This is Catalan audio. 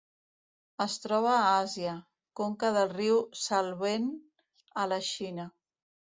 Es troba a Àsia: conca del riu Salween a la Xina.